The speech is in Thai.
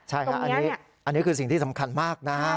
ใช่ครับอันนี้คือสิ่งที่สำคัญมากนะฮะ